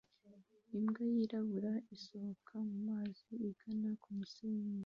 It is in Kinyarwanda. Imbwa yirabura isohoka mumazi igana kumusenyi